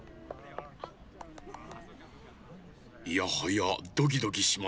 いやはやドキドキしますなあ。